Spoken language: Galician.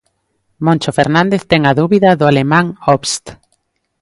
Moncho Fernández ten a dúbida do alemán Obst.